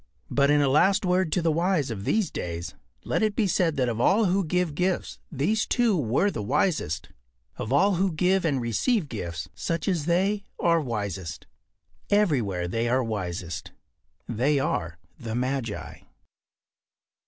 But in a last word to the wise of these days let it be said that of all who give gifts these two were the wisest. Of all who give and receive gifts, such as they are wisest. Everywhere they are wisest. They are the magi.